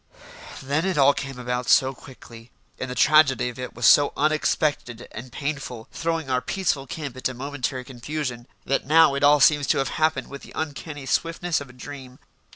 Then it all came about so quickly, and the tragedy of it was so unexpected and painful, throwing our peaceful camp into momentary confusion, that now it all seems to have happened with the uncanny swiftness of a dream.